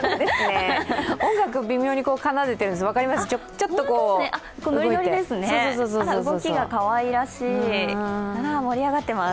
音楽、微妙に奏でているんです、分かります？